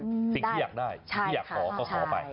สิ่งที่อยากได้สิ่งที่อยากขอต้องกะปังไป